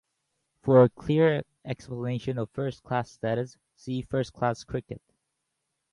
For a clear explanation of first-class status, see first-class cricket.